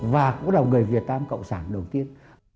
và cũng là người việt nam cộng sản đầu tiên